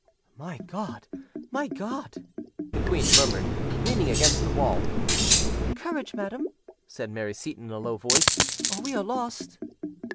"My God! my God!" the queen murmured, leaning against the wall. "Courage, madam," said Mary Seyton in a low voice, "or we are lost."